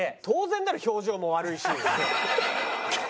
当然だろ表情も悪いし。